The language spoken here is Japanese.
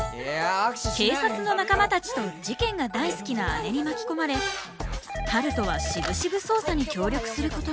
警察の仲間たちと事件が大好きな姉に巻き込まれ春風はしぶしぶ捜査に協力することに。